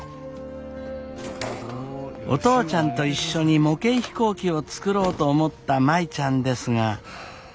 お父ちゃんと一緒に模型飛行機を作ろうと思った舞ちゃんですが。